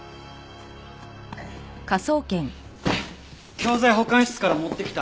教材保管室から持ってきた。